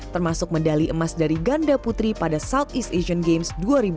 termasuk medali emas dari ganda putri pada southeast asian games dua ribu delapan belas